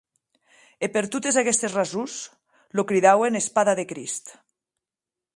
E per totes aguestes rasons lo cridauen Espada de Crist.